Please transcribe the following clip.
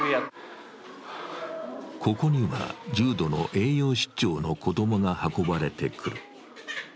ここには重度の栄養失調の子供が運ばれてくる。